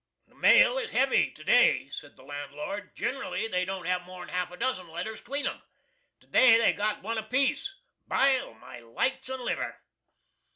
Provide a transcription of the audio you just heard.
"The mail is hevy, to day," said the landlord. "Gin'rally they don't have more'n half a dozen letters 'tween 'em. To day they're got one a piece! Bile my lights and liver!"